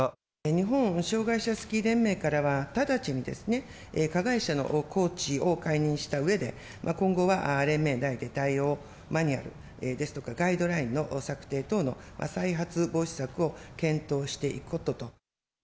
日本障害者スキー連盟からは、直ちにですね、加害者のコーチを解任したうえで、今後は連盟内で対応マニュアルですとか、ガイドラインの策定等の再発防止策を検討していくことと。